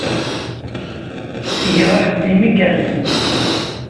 Tgiḍ axeddim igerrzen.